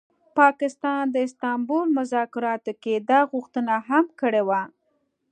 پاکستان د استانبول مذاکراتو کي دا غوښتنه هم کړې وه